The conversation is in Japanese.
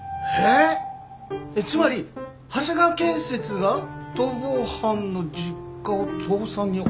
えっつまり長谷川建設が逃亡犯の実家を倒産に追い込んだってこと？